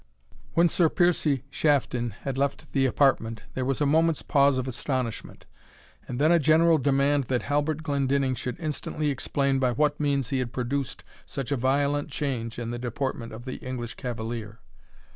When Sir Piercie Shafton had left the apartment, there was a moment's pause of astonishment; and then a general demand that Halbert Glendinning should instantly explain by what means he had produced such a violent change in the deportment of the English cavalier.